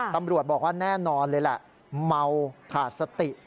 ตำรวจบอกว่าแน่นอนเลยแหละเมาขาดสติ